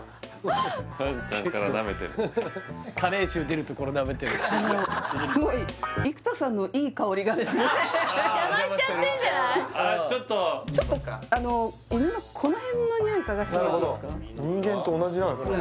ワンちゃんから舐めてる加齢臭出るところ舐めてるあのすごい邪魔しちゃってんじゃないちょっとちょっとあの犬のこの辺のにおい嗅がしてもらっていいですかなるほど人間と同じなんすね